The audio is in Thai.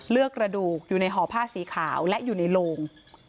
กระดูกอยู่ในห่อผ้าสีขาวและอยู่ในโลง